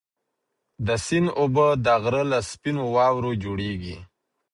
د سیند اوبه د غره له سپینو واورو جوړېږي.